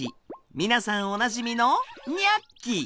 皆さんおなじみのニャッキ！